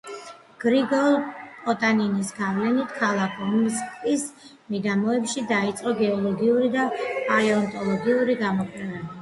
გრიგოლ პოტანინის გავლენით ქალაქ ომსკის მიდამოებში დაიწყო გეოლოგიური და პალეონტოლოგიური გამოკვლევები.